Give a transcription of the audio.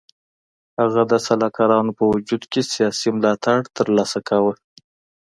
هغه د سلاکارانو په وجود کې سیاسي ملاتړ تر لاسه کاوه.